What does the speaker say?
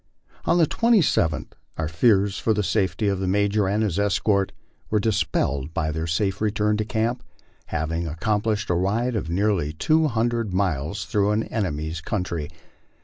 On the 27th our fears for the safety of the Major and his escort were dis pelled by their safe return to camp, having accomplished a ride of nearly two hundred miles through an enemy's country.